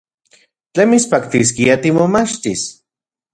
¿Tlen mitspaktiskia timomachtis?